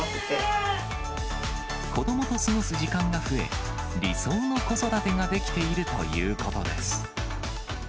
子どもと過ごす時間が増え、理想の子育てができているということです。